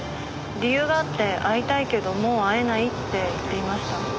理由があって会いたいけどもう会えないって言っていました。